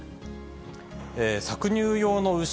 搾乳用の牛